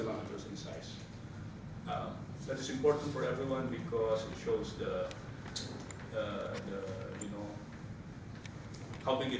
ini penting bagi semua orang karena membahas seberapa besar sebuah perabot